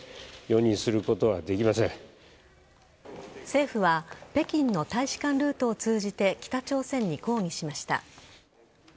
政府は北京の大使館ルートを通じて北朝鮮に抗議しました。